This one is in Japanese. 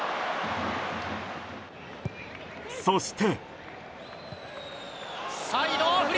そして。